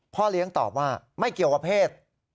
พ่อเลี้ยงตอบว่าไม่เกี่ยวกับเพศ